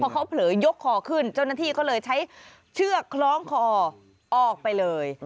เขาเผลอยกคอขึ้นเจ้าหน้าที่ก็เลยใช้เชือกคล้องคอออกไปเลย